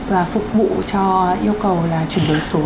và phục vụ cho yêu cầu là chuyển đổi số